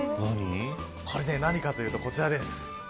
これは何かというとこちらです。